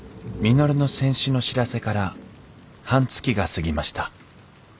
稔の戦死の知らせから半月が過ぎました。